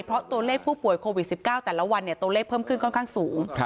เพราะตัวเลขผู้ป่วยโควิด๑๙แต่ละวันตัวเลขเพิ่มขึ้นค่อนข้างสูง